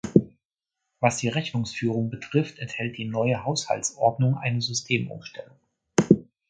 Was die Rechnungsführung betrifft, enthält die neue Haushaltsordnung eine Systemumstellung.